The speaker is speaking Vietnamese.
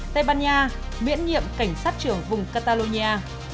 tây ban nha miễn nhiệm cảnh sát trưởng vùng catalonia